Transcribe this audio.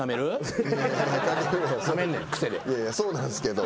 いやいやそうなんすけど。